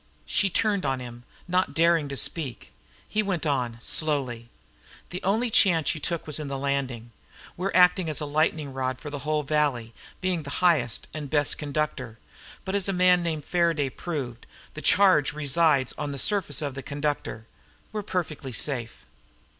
She turned on him, not daring to speak. He went on, slowly. "The only chance you took was in the landing. We're acting as lightning rod for the whole valley, being the highest and best conductor. But, as a man named Faraday proved, the charge resides on the surface of the conductor. We're perfectly safe."